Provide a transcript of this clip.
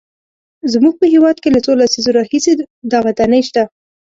زموږ په هېواد کې له څو لسیزو راهیسې دا ودانۍ شته.